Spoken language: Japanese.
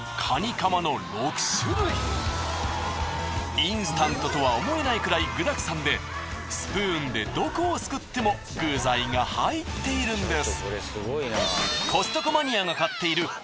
インスタントとは思えないくらい具だくさんでスプーンでどこをすくっても具材が入っているんです。